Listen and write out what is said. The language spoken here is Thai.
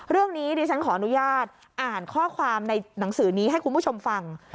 เรื่องนี้ดิฉันขออนุญาตอ่านข้อความในหนังสือนี้ให้คุณผู้ชมฟัง